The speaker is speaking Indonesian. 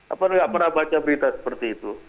apakah anda tidak pernah baca berita seperti itu